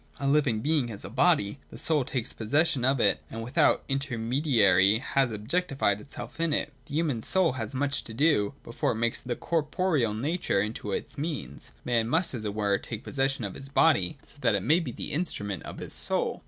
— A living being has a body ; the soul takes possession of it and with out intermediary has objectified itself in it. The human soul has much to do, before it makes its corporeal nature into a means. Man must, as it were, take possession of his body, so that it may be the instrument of his soul.